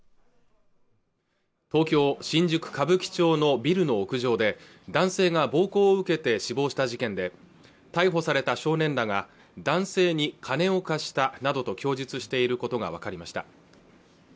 東京新宿歌舞伎町のビルの屋上で男性が暴行を受けて死亡した事件で逮捕された少年らが男性に金を貸したなどと供述していることが分かりました